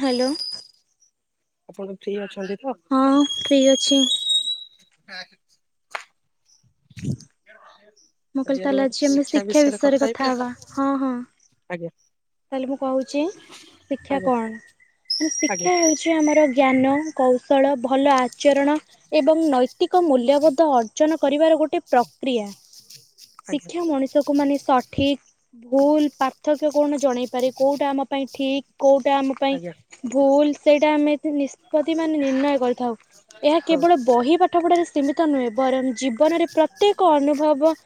Hello. ଆପଣ free ଅଛନ୍ତି? ତ? ହଁ, ଫ୍ରି ଅଛି। [inaudible] ମୁଁ କହିଲି ତାଲେ ଆଜି ଆମେ, ଶିକ୍ଷା ବିଷୟରେ କଥା ହବା। ହଁ, ହଁ। ଆଜ୍ଞା। ତା ହେଲେ ମୁଁ କହୁଛି ଶିକ୍ଷା ଆଜ୍ଞା କଣ? ଆଜ୍ଞା ଶିକ୍ଷା ହେଉଛି, ଆମର ଜ୍ଞାନ କୌଶଳ ଭଲ ଆଚରଣ ଏବଂ ନୈତିକ ମୂଲ୍ୟବୋଧ ଅର୍ଜନ କରିବାର ଗୋଟେ ପ୍ରକ୍ରିୟା। ଆଜ୍ଞା ଶିକ୍ଷା ମଣିଷକୁ ମାନେ ସଠିକ୍ ଭୁଲ ପାର୍ଥକ୍ୟ କଣ ଜଣେଇ ପାରେ, କୋଉଟା ଆମ ପାଇଁ ଠିକ୍ କୋଉଟା ଆମ ପାଇଁ ଆଜ୍ଞା ଭୁଲ। ସେଇଟା ଆମେ ନିଷ୍ପତି ମାନେ, ନିର୍ଣ୍ଣୟ କରିଥାଉ। ଏହା ହଁ କେବଳ ବହି ପାଠ ପଢାରେ ସୀମିତ ନୁହେଁ। ବରଂ ଜୀବନରେ ପ୍ରତ୍ୟେକ ଅନୁଭବ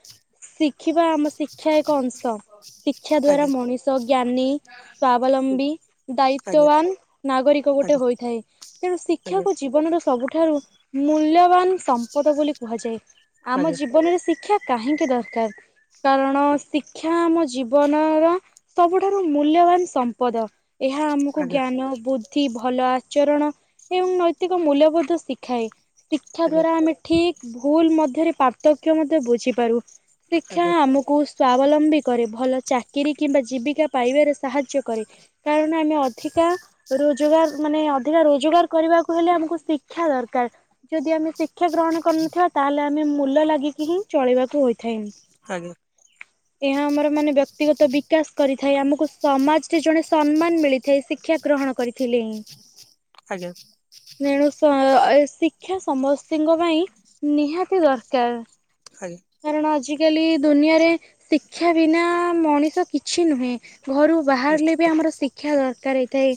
ଶିଖିବା ଆମ ଶିକ୍ଷା ଏକ ଅଂଶ। ଶିକ୍ଷା ଦ୍ଵାରା ଆଜ୍ଞା ମଣିଷ ଜ୍ଞାନୀ, ହୁଁ ସ୍ଵାବଲମ୍ବୀ, ଆଜ୍ଞା ଦାୟିତ୍ବବାନ୍, ନା ଟ୍ୟ ଆଜ୍ଞା ହୋଇଥାଏ। ତେଣୁ ଶିକ୍ଷାକୁ ଜୀବନର ସବୁଠୁ ଠାରୁ ମୂଲ୍ୟବାନ ସମ୍ପଦ ବୋଲି କୁହାଯାଏ। ଆଜ୍ଞା ଆମ ଆଜ୍ଞା ଜୀବନରେ ଶିକ୍ଷା କାହିଁକି ଦର୍ କାର। କାରଣ ଶିକ୍ଷା ଆମ ଜୀବନର, ସବୁଠାରୁ ମୂଲ୍ୟବାନ ସମ୍ପଦ। ଏହା ଆମକୁ ଆଜ୍ଞା ଜ୍ଞାନ, ବୁଦ୍ଧି, ଭ ଭଲ ଆଚରଣ ଏବଂ ନୈତିକ ମୂଲ୍ୟବୋଧ ଶିଖାଏ ଶିକ୍ଷା ଦ୍ୱାରା ଆମେ ଠିକ୍ ଭୁଲ ମଧ୍ୟରେ ପାର୍ଥକ୍ୟ ମଧ୍ୟ ବୁଝିପାରୁ। ଶିକ୍ଷା ଆମକୁ ଅବଲମ୍ବୀ କରେ। ଭଲ ଚାକିରି କିମ୍ବା ଜୀବିକା ପାଇବାରେ ସାହାଯ୍ୟ କରେ। କାରଣ ଆମେ ଅଧିକା ରୋଜଗାର ମାନେ ଅଧିକା ରୋଜଗାର, କରିବାକୁ ହେଲେ ଆମକୁ ଶିକ୍ଷା ଦରକାର। ଯଦି ଆମେ ଶିକ୍ଷା ଗ୍ରହଣ କରିନଥିବା ତାହେଲେ ଆମେ ମୁୂଲ ଲାଗିକି ହିଁ ଚଳିବାକୁ ହୋଇଥାଏଁ। ଆଜ୍ଞା। ଏହା ଆମର ମାନେ ବ୍ୟକ୍ତିଗତ ବିକାଶ କରି ଥାଏ। ଆମକୁ ସମାଜ ରେ ଜଣେ ସମ୍ମାନ ମିଳିଥାଏ। ଶିକ୍ଷା ଗ୍ରହଣ କରିଥିଲେଁ। ଆଜ୍ଞା। ତେଣୁ ସ ଏ ଶିକ୍ଷା ସମସ୍ତଙ୍କ ପାଇଁ, ନିହାତି ଦରକାର? ଆଜ୍ଞା କାରଣ ଆଜିକାଲି ଦୁନିଆରେ ଶିକ୍ଷା ବିନା ମଣିଷ କିଛି ନୁହେଁ। ଘରୁ ବାହାରିଲେ ନିଶ୍ଚିତ ବି ଆମର ଶିକ୍ଷା ଦରକାର ହେଇଥାଏ।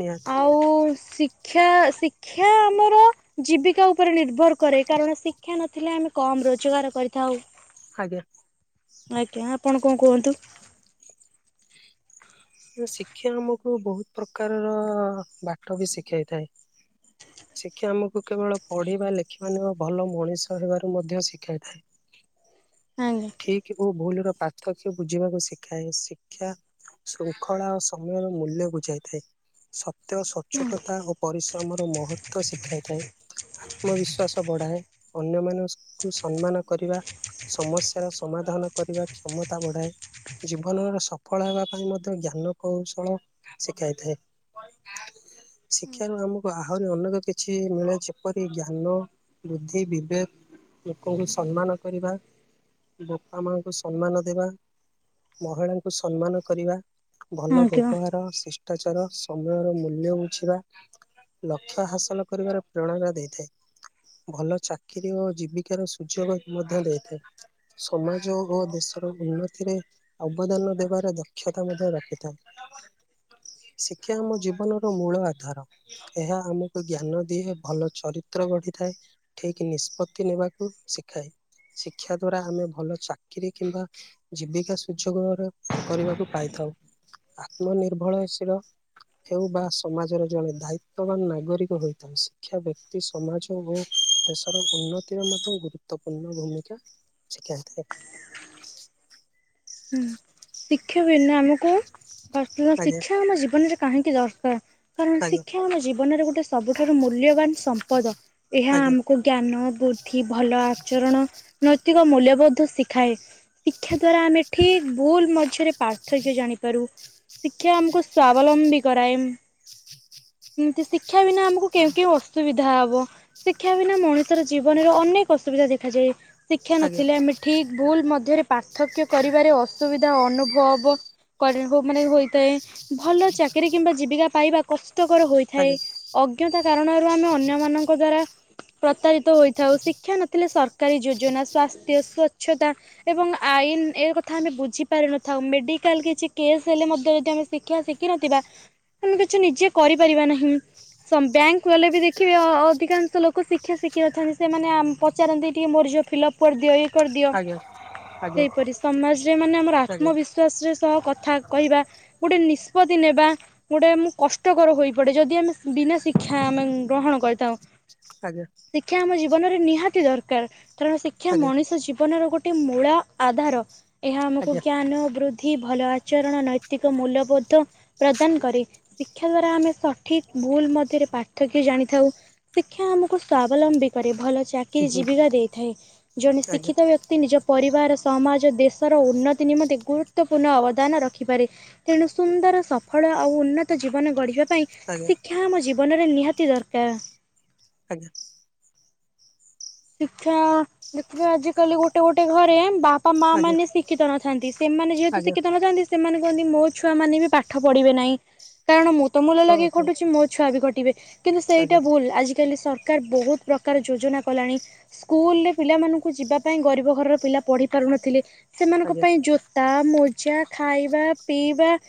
ନିହାତି। ଆଉ ଶିକ୍ଷା ଶିକ୍ଷା ଆମର ଜୀବିକା ଉପରେ ନିର୍ଭର କରେ କାରଣ ଶିକ୍ଷା ନଥିଲେ ଆମେ କମ୍ ରୋଜଗାର କରିଥାଉ। ଆଜ୍ଞା। ଆଜ୍ଞା ଆପଣ କଣ କୁହନ୍ତୁ? ଶିକ୍ଷା ଆମକୁ ବହୁତ ପ୍ରକାରର ବାଟ ବି ଶିଖାଇଥାଏ। ଶିକ୍ଷା ଆମକୁ କେବଳ ପଢିବା ଲେଖିବା ନୁହଁ ଭଲ ମଣିଷ ହେବାରୁ ମଧ୍ୟ ଶିଖାଇଥାଏ। ଆଜ୍ଞା। ଠିକ୍ ବୋଉ ଭୁଲର ପାର୍ଥକ୍ୟ ବୁଝିବାକୁ ଶିଖାଏ। ଶିକ୍ଷା ଶୃଙ୍ଖଳା ଓ ସମୟର ମୂଲ୍ୟ ବୁଝାଇଥାଏ। ସତ। ସତ୍ୟ, ସଚୋଟତା ଓ ପରିଶ୍ରମର ମହତ୍ବ ଶିଖାଇଥାଏ। ଆତ୍ମବିଶ୍ଵାସ ବଢାଏ ଅନ୍ୟମାନଙ୍କୁ ସମ୍ମାନ କରିବା ସମସ ତାର ସମାଧାନ କରିବା କ୍ଷମତା ବଢ଼ାଏ। ଜୀବନର ସଫଳ ହେବା ପାଇଁ ମଧ୍ୟ ଜ୍ଞାନ କୌଶଳ ଶିଖାଇଥାଏ। ଶିକ୍ଷାରୁ ଆମକୁ ଆହୁରି ଅନେକ କିଛି ମିଳେ। ଯେପରି ଜ୍ଞାନ, ବୁଦ୍ଧି, ବିବେକ। ଲୋକଙ୍କୁ ସମ୍ମାନ କରିବା। ବାପା ମାଙ୍କୁ ସମ୍ମାନ ଦେବା। ମହିଳାଙ୍କୁ ସମ୍ମାନ କରିବା। ଭଲ ଆଜ୍ଞା। ବ୍ୟବହାର ଶିଷ୍ଟାଚାର ସମୟର ମୂଲ୍ୟ ବୁଝିବା। ଲକ୍ଷ୍ୟ ହାସଲ କରିବାରେ ପ୍ରେରଣା ଦେଇଥାଏ। ଭଲ ଚାକିରିୀ ଓ ଜୀବିକାର ସୁଯୋଗ ମଧ୍ୟ ଦେଇଥାଏ। ସମାଜ ଓ ଦେଶର ଉନ୍ନତିରେ ଅବଦାନ ଦେବାର ଦକ୍ଷତା ମଧ୍ୟ ରଖିଥାଏ। [inaudible] ଶିକ୍ଷା ଆମ ଜୀବନର ମୂଳ ଆଧାର ଏହା ଆମକୁ ଜ୍ଞାନ ଦିଏ ଭଲ ଚରିତ୍ର ଗଢିଥାଏ ଠିକି ନିଷ୍ପତ୍ତି ନେବାକୁ ଶିଖାଏ ଶିକ୍ଷା ଦ୍ଵାରା ଆମେ ଭଲ ଚାକିରି କିମ୍ବା ଜୀବିକା ସୁଯୋଗର କରିବାକୁ ପାଇଥାଉ। ଆତ୍ମନିର୍ଭରଶୀଳ ହେଉ ବା ସମାଜର ଜଣେ ଦାଇତ୍ଵବାନ ନାଗରିକ ହୋଇଥାଉ ଶିକ୍ଷା ବ୍ୟକ୍ତି ସମାଜ ଓ ଦେଶର ଉନ୍ନତିର ମଧ୍ୟ ଗୁରୁତ୍ୱପୂର୍ଣ୍ଣ ଭୂମିକା ଶିଖାଇଥାଏ। ହୁଁ ଶିକ୍ଷା ବିନା ଆମକୁ ଆଜ୍ଞା ଶିକ୍ଷା ଆମ ଜୀବନରେ କାହିଁକି ଦରକାର କାରଣ, ଆଜ୍ଞା ଶିକ୍ଷା ଆମ ଜୀବନରେ ଗୋଟେ ସବୁଠାରୁ ମୂଲ୍ୟବାନ ସମ୍ପଦ ଏହା ଆଜ୍ଞା ଆମକୁ ଜ୍ଞାନ ବୁଦ୍ଧି ଭଲ ଆଚରଣ ନୈତିକ ମୂଲ୍ୟବୋଧ ଶିଖାଏ ଶିକ୍ଷା ଦ୍ଵାରା ଆମେ ଠିକ୍ ଭୁଲ ମଝିରେ ପାର୍ଥକ୍ୟ ଜାଣିପାରୁ। ଶିକ୍ଷା ଆମକୁ ସ୍ଵାବଲମ୍ବୀ କରାଏ। [inaudible] ଏମତି ଶିକ୍ଷା ବିନା ଆମକୁ କେଉଁ କେଉଁ ଅସୁବିଧା ହବ ଶିକ୍ଷା ବିନା ମଣିଷର ଜୀବନରେ ଅନେକ ଅସୁବିଧା ଦେଖାଯାଏ ଶିକ୍ଷା ନଥିଲେ ଆମେ ଠିକ ଭୁଲ ମଧ୍ୟରେ ପାର୍ଥକ୍ୟ କରିବାରେ ଅସୁବିଧା ଅନୁଭବ [unintelligible] ମାନେ ହୋଇଥାଏ ଭଲ ଚାକିରୀ କିମ୍ବା ଜୀବିକା ପାଇବା କଷ୍ଟ କର ହୋଇଥାଏ ଆଜ୍ଞା ଅଜ୍ଞତା କାରଣରୁ ଆମେ ଅନ୍ୟମାନଙ୍କ ଦ୍ଵାରା ପ୍ରତାରିତ ହୋଇଥାଉ ଶିକ୍ଷା ନଥିଲେ ସରକାରୀ ଯୋଜନା ସ୍ୱାସ୍ଥ୍ୟ ସ୍ୱଚ୍ଛତା ଏବଂ ଆଇନ ଏ କଥା ଆମେ ବୁଝି ପାରିନଥାଉ ମେଡିକାଲ କିଛି କେସ୍ ହେଲେ ମଧ୍ୟ ଏଇଟା ଆମେ ଶିଖିଆ ଶିଖିିନଥିବା ଆମେ କିଛି ନିଜେ କରିପାରିବା ନାହିଁ। ବ୍ୟାଙ୍କ ଙ୍କୁ ଗଲେ ବି ଦେଖିବେ ଅ ଅଧିକାଂଶ ଲୋକ ଶିକ୍ଷା ଶିଖିନଥାନ୍ତି ସେମାନେ ଆମ-ପଚାରନ୍ତି ଟିକେ ଯଉ ଫିଲ୍ଅପ୍ ପଡ଼ିଦିଅ। ଆଜ୍ଞା, ଆଜ୍ଞା। କିପରି ସମାଜରେ, ମାନେ ଆମର ଆଜ୍ଞା ଆତ୍ମବିଶ୍ଵାସରେ ସହ କଥା କହିବା। ଗୋଟେ ନିଷ୍ପତ୍ତି ନେବା, ଗୋଟେ ମୁଁ କଷ୍ଟକର ହୋଇପଡେ। ଯଦି ଆମେ ବିନା ଶିକ୍ଷା ଆମେ ଗ୍ରହଣ କରିଥାଉ। ଆଜ୍ଞା। ଶିକ୍ଷା ଆମ ଜୀବନରେ ନିହାତି ଦରକାର। କାରଣ ଶିକ୍ଷା ଆଜ୍ଞା ମଣିଷ ଜୀବନର ଗୋଟେ ମୂଳ ଆଧାର। ଏହା ଆଜ୍ଞା ଆମକୁ ଆଜ୍ଞା ଜ୍ଞାନ, ବୃଦ୍ଧି ଭଲ ଆଚରଣ, ନୈତିକ, ମୂଲ୍ୟବୋଧ ପ୍ରଦାନ କରେ। ଶିକ୍ଷା ଦ୍ଵାରା ଆମେ ସଠିକ ଭୁଲ୍ ମଧ୍ୟରେ, ପାର୍ଥକ୍ୟ ଜାଣିଥାଉ। ଶିକ୍ଷା ଆମକୁ ସଲମ୍ବୀ କରେ। ଭଲ ଚାକିରି ଜୀବିକା ଦେଇଥାଏ। ଜଣେ ଆଜ୍ଞା ଶିକ୍ଷିତ ବ୍ୟକ୍ତି ନିଜ ପରିବାର ସ ସମାଜ ଦେଶର ଉନ୍ନତି ନିମନ୍ତେ, ଗୁରୁତ୍ୱପୂର୍ଣ୍ଣ ଅବଦାନ ରଖିପାରେ। ତେଣୁ ସୁନ୍ଦର ସଫଳ ଆଉ ଉନ୍ନତ ଜୀବନ ଗଢିବା ପାଇଁ, ଆଜ୍ଞା ଶିକ୍ଷା ଆମ ଜୀବନରେ ନିହାତି ଦରକାର। ଆଜ୍ଞା। ଶିକ୍ଷା। ଦେଖିବେ ଆଜିକାଲି ଗୋଟେ, ଗୋଟେ ଘରେ ବାପା ବାପା ମା ଆଜ୍ଞା ମାନେ, ଶିକ୍ଷିତ ନଥାନ୍ତି। ସେମାନେ ଯେହେତୁ ଆଜ୍ଞା ଶିକ୍ଷିତ ନଥାନ୍ତି ସେମାନେ କୁହନ୍ତି। ମୋ ଛୁଆ ମାନେ ବି ପାଠ ପଢିବେ ନାହିଁ। କାରଣ ମୁଁ ତ ମୂଲ ହଁ ଲାଗି ହଁ ଖଟୁଛି। ମୋ ଛୁଆ ବି ଖ ଟିବେ, କିନ୍ତୁ ଆଜ୍ଞା ସେଇଟା ଭୁଲ, ଆଜିକାଲି ସରକାର ବହୁତ ପ୍ରକାର ଯୋଜନା କଲାଣି। ସ୍କୁଲରେ, ପିଲା ମାନଙ୍କୁ ଯିବା ପାଇଁ, ଗରିବ ଘରର ପିଲା ପଢି ପାରୁନଥିଲେ। ସେମାନଙ୍କ ଆଜ୍ଞା ପାଇଁ, ଜୋତା, ମଜା, ଖାଇବା ପିଇବା-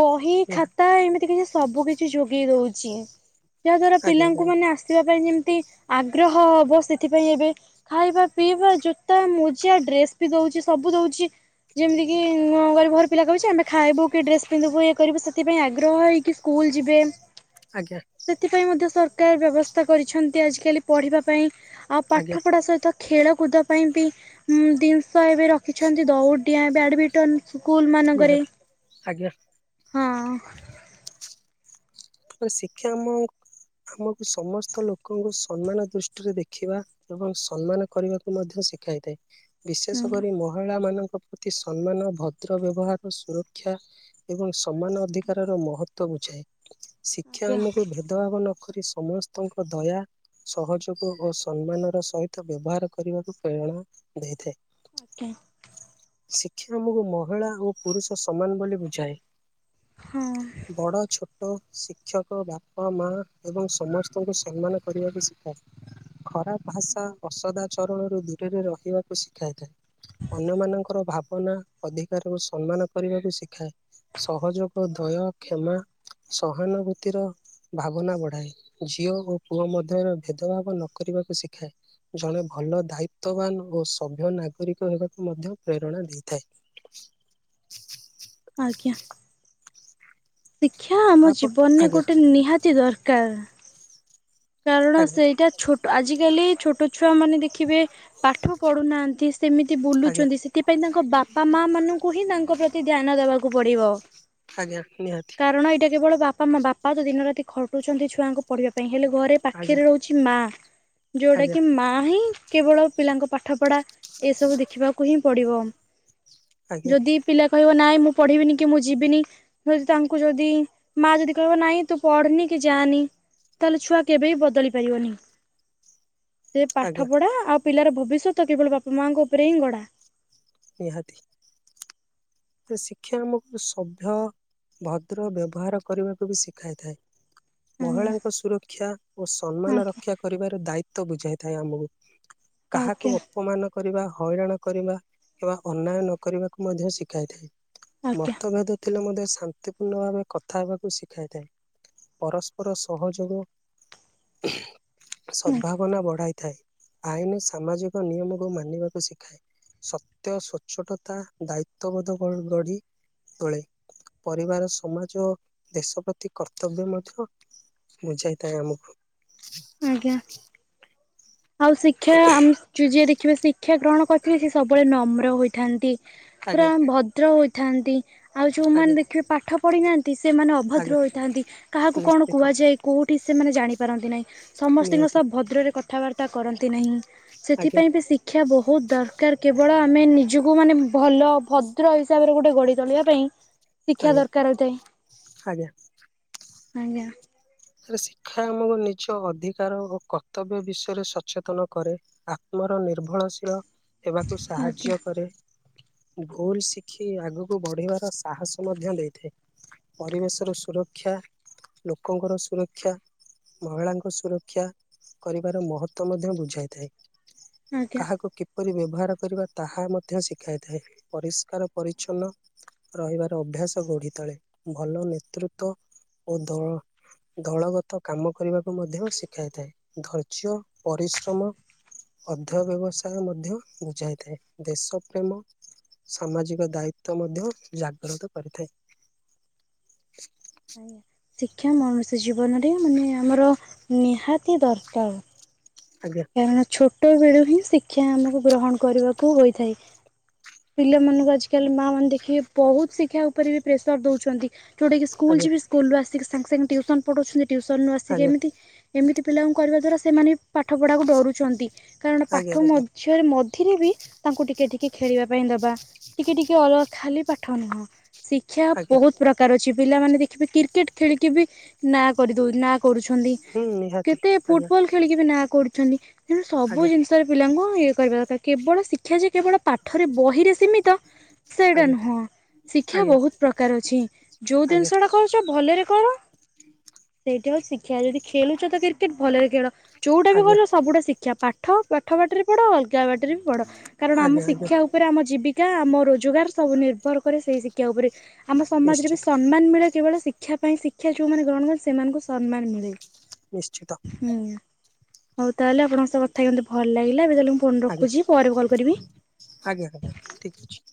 ବହି, ନିହାତି ଖାତା ଏମିତି କି ସବୁ କିଛି ଯୋଗେଇ ଦଉଛି। ଯାହା ଦ୍ୱାରା ଆଜ୍ଞା ଆଜ୍ଞା ପିଲାଙ୍କୁ, ମାନେ ଆସିବା ପାଇଁ ଯେମିତି ଆଗ୍ରହ ହବ ସେ ଏଥିପାଇଁ ଏବେ, ଖାଇବା, ପିଇବା, ଜୋତା, ମୋଜା ଡ୍ରେସ ବି ଦଉଛି। ସବୁ ଦଉଛି। ଯେମିତି କି ଗରିବ ଘର ପିଲା କହୁଛି, ଆମେ ଖାଇବୁ କି ଡ୍ରେସ ପିନ୍ଧିବୁ ଏ କରିବୁ, ସେଥିପାଇଁ ଆଗ୍ରହ ହେଇକ ସ୍କୁଲ ସ୍କୁଲ ଯିବେ। ଆଜ୍ଞା। ସେଥିପାଇଁ ମଧ୍ୟ ସରକାର ବ୍ୟବସ୍ଥା କରିଛନ୍ତି, ଆଜିକାଲି ପଢିବା ପାଇଁ। ଆଉ ଆଜ୍ଞା ପାଠ ପଢା ସହିତ ଖେଳ କୁଦ ପାଇଁ ବି ଦିନିଷ ଏବେ ରଖିଛନ୍ତି। ଦଉଡିଆ, ବ୍ୟାଡମିଣ୍ଟନ ସ୍କୁଲ ମାନଙ୍କରେ, ନିହାତି ଆଜ୍ଞା ହଁ। ଶିକ୍ଷା ମୋ ଆମକୁ ସମସ୍ତ ଲୋକଙ୍କୁ ସମ୍ମାନ ଦୃଷ୍ଟିରେ ଦେଖିବା, ଏବଂ ସମ୍ମାନ କରିବାକୁ ମଧ୍ୟ ଶିଖାଇଥାଏ। ବିଶେଷ କରି ମହିଳା ମାନଙ୍କ ତାଙ୍କ ପ୍ରତି ସମ୍ମାନ, ଭଦ୍ର ବ୍ୟବହାର, ସୁରକ୍ଷା ଏବଂ ସମାନ ଅଧିକାରର ମହତଵ ବୁଝାଏ। ଶିକ୍ଷା ଆଜ୍ଞା ଆମକୁ ଭେଦଭାବ ନ କରି ସମସ୍ତଙ୍କ ଦୟା ସହଯୋଗ ଓ ସମ୍ମାନର ସହିତ ବ୍ୟବହାର କରିବାକୁ, ପ୍ରେରଣ ଦେଇଥାଏ। ଆଜ୍ଞା। ଶିକ୍ଷା ଆମକୁ ମହିଳା ଓ ପୁରୁଷ ସମାନ ବୋଲି ବୁଝାଏ। ହଁ ବଡ଼ ଛୋ ଟ, ଶିକ୍ଷକ ବାପା ମା ଏବଂ ସମସ୍ତଙ୍କୁ ସମ୍ମାନ କରିବାକୁ ଶିଖାଏ। ଖରାପ ଭାଷା, ଅସଦା ଚରଣରୁ, ଦୂରରେ ରହିବାକୁ ଶିଖାଇଥାଏ। ଅନ୍ୟମାନଙ୍କର ଭା ଭାବନା ଅଧିକାରକୁ ସମ୍ମାନ କରିବାକୁ ଶିଖାଏ। ସହଯୋଗ, ଦୟ, କ୍ଷମା, ସହାନୁଭୂତିର ଭାବନା ବଢାଏ। ଝିଅ ଓ ପୁଅ ମଧ୍ୟରେ ଭେଦଭାବ ନକରିବାକୁ ଶିଖାଏ। ଜଣେ ଭଲ ଦାୟିତ୍ୱବାନ ଓ ସଭ୍ୟ ନାଗରିକ ହେବାକୁ ମଧ୍ୟ ପ୍ରେରଣା ଦେଇଥାଏ। ଆଜ୍ଞା। ଶିକ୍ଷା ଆମ ତାପ ଜୀବନରେ ଆଜ୍ଞା ଗୋଟେ ନିହାତି ଦରକାର। କାରଣ ଆଜ୍ଞା ସେଇଟା ଛୋଟ। ଆଜିକାଲି ଛୋଟ ଛୁଆ ମାନେ ଦେଖିବେ ପାଠ ପଢୁନାହାନ୍ତି। ସେମିତି ଆଜ୍ଞା ବୁଲୁଛନ୍ତି। ସେଥିପାଇଁ ତାଙ୍କ ବାପା ମା, ମାନଙ୍କୁ ହିଁ ତାଙ୍କ ପ୍ରତି ଧ୍ୟାନ ଦେବାକୁ ପଡିବ। ଆଜ୍ଞା ନିହାତି। କାରଣ ଏଇଟା କେବଳ ବାପା ମା। ବାପା ତ ଦିନ ରାତି ଖଟୁଛନ୍ତି ଛୁଆଙ୍କୁ ପଢିବା ପାଇଁ। ହେଲେ ଘରେ ଆଜ୍ଞା ପାଖରେ ରହୁଛି ମା। ଯୋଉଟା ଆଜ୍ଞା କି ମା ହିଁ କେବଳ ପିଲାଙ୍କ ପାଠ ପଢା ଏ ସବୁ ଦେଖିବାକୁ ହିଁ ପଡିବ। ଆଜ୍ଞା ଯଦି ପିଲା କହିବ ନାଇଁ ମୁଁ ପଢିବିନି କି ମୁଁ ଯିବିନି, ଯଦି ତାଙ୍କୁ ଯଦି ମା ଯଦି କହିବ ନାଇଁ ତୁ ପଢିନି କି ଯାନି ତାହେଲ ଛୁଆ କେବେବି ବଦଳି ପାରିବନି, ସେ ପାଠ ଆଜ୍ଞା ପଢା ଆଉ ପିଲାର ଭବିଷ୍ୟତ କେବଳ ବାପା ମାଙ୍କ ଉପରେ ହିଁ ଗଢା। ନିହାତି ଶିକ୍ଷା ଆମକୁ ସଭ୍ୟ ଭଦ୍ର ବ୍ୟବହାର କରିବାକୁ ବି ଶିଖାଇଥାଏ। ଆଜ୍ଞା ମହିଳାଙ୍କ ସୁରକ୍ଷା ଓ ସମ୍ମାନ ରକ୍ଷା କରିବାର ଦାୟିତ୍ବ ବୁଝାଇଥାଏ ଆମକୁ। କାହାକୁ ଆଜ୍ଞା ଅପମାନ କରିବା, ହଇରାଣ କରିବା କିମ୍ବା ଅନ୍ୟାୟ ନ କରିବାକୁ ମଧ୍ୟ ଶିଖାଇଥାଏ। ଆଜ୍ଞା ମତଭେଦ ଥିଲେ ମଧ୍ୟ ଶାନ୍ତିପୂର୍ଣ୍ଣ ଭାବେ କଥା ହେବାକୁ ଶିଖାଇଥାଏ। ପରସ୍ପର ସହଯୋଗ, ଆଜ୍ଞା ସଦଭାବନା ବଢ଼ାଇ ଥାଏ, ଆଇନ ସାମାଜିକ ନିୟମକୁ ମାନିବାକୁ ଶିଖାଏ। ସତ୍ୟ ସ୍ୱଚ୍ଛଟତା ଦାୟିତ୍ଵ ବୋଧ ଗ-ଗଢି ତୋଳେ। ପରିବାର ସମାଜ ଓ ଦେଶ ପ୍ରତି କର୍ତ୍ତବ୍ୟ ମଧ୍ୟ ବୁଝାଇଥାଏ ଆମକୁ‌। ଆଜ୍ଞା ଆଉ ଶିକ୍ଷା ଆମ ଯ-ଯିଏ ଦେଖିବେ ଶିକ୍ଷା ଗ୍ରହଣ କରିଥିଲେ ସେ ସବୁବେଳେ ନମ୍ର ହୋଇଥାନ୍ତି। ପୁରା ଆଜ୍ଞା ଭଦ୍ର ହୋଇଥାନ୍ତି ଆଉ ଆଜ୍ଞା ଯୋଉମାନେ ଦେଖିବେ ପାଠ ପଢିନାହାନ୍ତି ସେମାନେ ଅଭଦ୍ର ଆଜ୍ଞା ହୋଇଥାନ୍ତି କାହାକୁ କଣ ନିଶ୍ଚିତ କୁହାଯାଏ କୋଉଠି ସେମାନେ ଜାଣିପାରନ୍ତି ନାହିଁ, ସମସ୍ତଙ୍କ ନିହାତି ସବୁ ଭଦ୍ରରେ କଥାବାର୍ତ୍ତା କରନ୍ତି ନାହିଁ, ଆଜ୍ଞା ସେଥିପାଇଁ ବି ଶିକ୍ଷା ବହୁତ ଦର ର କେବଳ ଆମେ ନିଜକୁ ମାନେ ଭଲ ଭଦ୍ର ହିସାବରେ ଗୋଟେ ଗଢ଼ି ତୋଳିବା ପାଇଁ ଶିକ୍ଷା ଆଜ୍ଞା ଦରକାର ହୋଇଥାଏ, ଆଜ୍ଞା ଆଜ୍ଞା। ଶିକ୍ଷା ଆମକୁ ନିଜ ଅଧିକାର ଓ କର୍ତ୍ତବ୍ୟ ବିଷୟରେ ସଚେତନ କରାଏ। ଆମର ନିର୍ଭରଶୀଳ ହେବାକୁ ଆଜ୍ଞା ସାହାଯ୍ୟ କରେ। ଭୁଲ ଶିଖି ଆଗକୁ ବଢିବାର ସାହସ ମଧ୍ୟ ଦେଇଥାଏ। ପରିବେଶ ର ସୁରକ୍ଷା ଲୋକଙ୍କର ଶ୍ ସୁରକ୍ଷା, ମହିଳାଙ୍କ ସୁରକ୍ଷା କରିବାର ମହତ୍ଵ ମଧ୍ୟ ବୁଝାଇଥାଏ। ଆଜ୍ଞା। କାହାକୁ କି କିପରି ବ୍ୟବହାର କରିବା ତାହା ମଧ୍ୟ ଶିଖାଇଥାଏ, ପରିଷ୍କାର ପରିଛନ୍ନ ରହିବାର ଅଭ୍ୟାସ ଗଢି ତଳେ ଭଲ ନେତୃତ୍ଵ ଓ ଦଳ। ଦଳଗତ କାମ କରିବାକୁ ମଧ୍ୟ ଶିଖାଇଥାଏ, ଧୈର୍ଯ୍ୟ, ପରିଶ୍ରମ ଅଧ୍ୟୟ ବ୍ୟବସାୟ ମଧ୍ୟ ବୁଝାଇଥାଏ, ଦେଶ ପ୍ରେମ ସାମାଜିକ ଦାୟିତ୍ଵ ମଧ୍ୟ ଜାଗ୍ରତ କରିଥାଏ। ଆଜ୍ଞା। ଶିକ୍ଷା ମଣିଷ ଜୀବନରେ ମାନେ ଆମର ନିହାତି ଦରକାର। ଆଜ୍ଞା କାରଣ ଛୋଟ ବେଳୁ ହିଁ ଶିକ୍ଷା ଆମକୁ ଗ୍ରହଣ କରିବାକୁ ହୋଇଥାଏ। ପିଲାମାନଙ୍କୁ ଆଜିକାଲି ମା ମାନେ ଦେଖିକେ ବହୁତ ଶିକ୍ଷା ଉପରେ ବି ପ୍ରେସର ଦଉଛନ୍ତି। ଯୋଉଟା ସ୍କୁଲ ଆଜ୍ଞା ଯିବି ସ୍କୁଲରୁୁ ଆସି ସାଙ୍ଗେ ସାଙ୍ଗେ ଟ୍ୟୁସନ ପଢଉଛନ୍ତି ଟଉସନୁ ଆସିକି ଆଜ୍ଞା ଏମିତି ଏମିତି ପିଲାଙ୍କୁ କରିବା ଦ୍ୱାରା ସେମାନେ ପାଠ ପଢ଼ାକୁ ଡରୁଛନ୍ତି, କାରଣ ପାଠ ଆଜ୍ଞା ଆଜ୍ଞା ମଝ୍ହ୍ୟରେ ମଧ୍ୟ ଏଥିରେ ବି ତାଙ୍କୁ ଟିକେ ଟିକେ ଖେଳିବା ପାଇଁ ଦବା ଟିକେ ଟିକେ ଅ ଖାଲି ପାଠ ନୁହଁ। ଶିକ୍ଷା ଆଜ୍ଞା ବହୁତ ପ୍ରକାର ଅଛି ପିଲାମାନେ ଦେଖିବେ କ୍ରିକେଟ ଖେଳିକି ବି ନାଁ କରିଦଉ ନା କରୁଛନ୍ତି, ହୁଁ ନିହାତି କେତେ ଆଜ୍ଞା ଫୁଟବଲ ଖେଳିକି ବି ନା କରୁଛନ୍ତି। ତେଣୁ ସବୁ ଆଜ୍ଞା ଜିନିଷରେ ପିଲାଙ୍କୁ ଇଏ କରିବା କଥା କେବଳ ଶିକ୍ଷା ଯେ କେବଳ ପାଠରେ ବହିରେ ସୀମିତ ସେଇଟା ଆଜ୍ଞା ନୁହଁ। ଶିକ୍ଷା ଆଜ୍ଞା ବହୁତ ପ୍ରକାର ଅଛି ଯୋଉ ଆଜ୍ଞା ଜିନିଷ ଟା କରୁଛ ଭଲରେ କର, ସେ ଶିକ୍ଷା, ଯଦି ଖେଳୁଛ ତ କ୍ରିକେଟ ଭଲରେ ଖେଳ। ଯୋଉଟା ବି ଆଜ୍ଞା କରିବ ସବୁଟା ଶିକ୍ଷା, ପାଠ ପାଠ ବାଟରେ ପଢ଼ ଅଲଗା ବାଟରେ ବି ପଢ଼। କାରଣ ଆମ ଆଜ୍ଞା ଆଜ୍ଞା ଶିକ୍ଷା ଉପରେ ଆମ ଜୀବିକା ଆମ ରୋଜଗାର ସବୁ ନିର୍ଭର କରେ ସେଇ ଶିକ୍ଷା ଉପରେ। ଆମ ସମାଜରେ ବି ନିଶ୍ଚିତ ସମ୍ମାନ ମିଳେ କେବଳ ଶିକ୍ଷା ପାଇଁ ଶିକ୍ଷା ଯୋଉମାନେ ଗ୍ରହଣ କରନ୍ତି ସେମାନଙ୍କୁ ସମ୍ମାନ ମିଳେ। ନିଶ୍ଚିତ। ହୁଁ। ହଉ ତାହେଲେ ଆପଣଙ୍କ ସହ କଥା ମୋତେ ଭଲ ଲାଗିଲା ଏବେ ତାହେଲେ ମୁଁ ଫୋନ ଆଜ୍ଞା ରଖୁଛି ପରେ କଲ୍ କରିବି। ଆଜ୍ଞା ଆଜ୍ଞା ଠିକ ଅଛି।